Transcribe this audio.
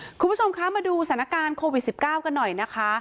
คุณผู้ชมคะมาดูสถานการณ์โควิด๑๙กันหน่อยนะคะ